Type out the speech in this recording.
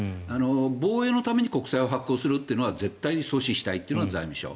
防衛のために国債を発行するのは絶対に阻止したいのが財務省。